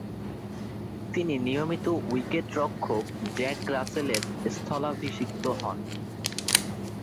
তিনি নিয়মিত উইকেট-রক্ষক জ্যাক রাসেলের স্থলাভিষিক্ত হন।